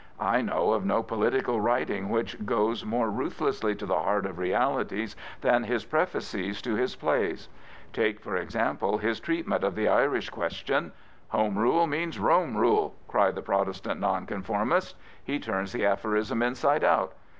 I know of no political writing which goes more ruth lessly tq the heart of realities than his prefaces to his plays. Take, for example, his treatment of the Irish question. '' Honje^ Rul^^ipeans Rimejoilfi " cry the Protestant Nonconiomusts. He turns the aphorism inside out.